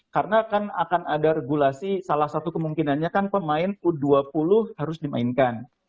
karena kan akan ada regulasi salah satu kemungkinannya kan pemain u dua puluh harus dimainkan